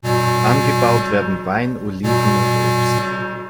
Angebaut werden Wein, Oliven und Obst.